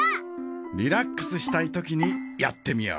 リラックスしたいときにやってみよう。